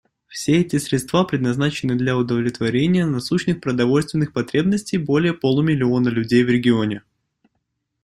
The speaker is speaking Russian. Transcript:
Все эти средства предназначены для удовлетворения насущных продовольственных потребностей более полумиллиона людей в регионе.